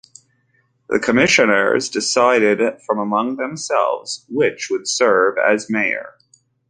The Commissioners decided from among themselves which would serve as mayor.